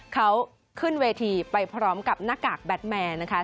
เขาขึ้นเวทีไปพร้อมกับหน้ากากแบทแมนนะคะ